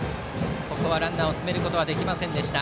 ここはランナーを進めることができませんでした。